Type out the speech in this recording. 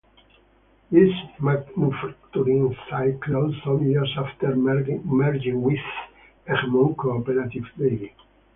This manufacturing site closed some years after merging with Egmont Co-operative Dairy.